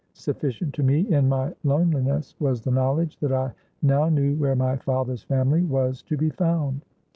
Sufficient to me in my loneliness was the knowledge, that I now knew where my father's family was to be found.